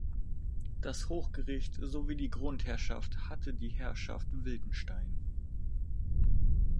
Das Hochgericht sowie die Grundherrschaft hatte die Herrschaft Wildenstein.